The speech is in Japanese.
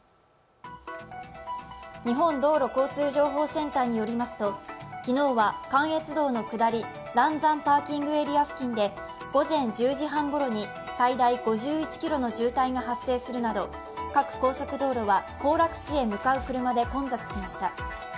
日本道路交通情報センターによりますと、昨日は関越道の下り嵐山パーキングエリア付近で午前１０時半ごろに最大５１ｋｍの渋滞が発生するなど各高速道路は行楽地へ向かう車で混雑しました。